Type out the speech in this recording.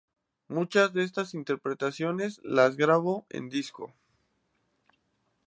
Muchas de estas interpretaciones las grabó en disco.